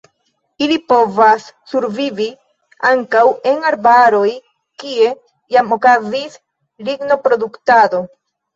Ili povas survivi ankaŭ en arbaroj kie jam okazis lignoproduktado.